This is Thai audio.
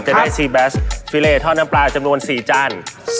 จะได้ซีแบสฟิเลท่อน้ำปลาจำนวน๔จาน